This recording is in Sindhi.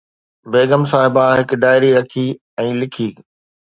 بيگم صاحبه هڪ ڊائري رکي ۽ لکي